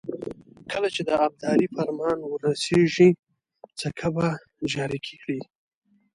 کله چې د ابدالي فرمان ورسېږي سکه به جاري کړي.